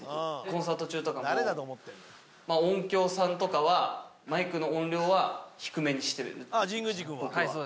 コンサート中とか、音響さんとかは、マイクの音量は低めにしてる、僕は。